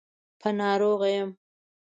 په ناروغه يم.